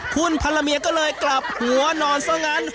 คุณพระเมียก็เลยกลับหัวนอนเท่านั้น